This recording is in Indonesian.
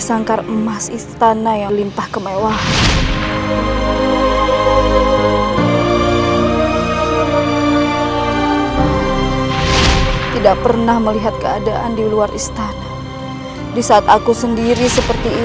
aku sibuk dengan ambisiku sendiri